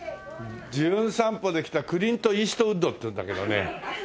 『じゅん散歩』で来たクリント・イーストウッドっていうんだけどね。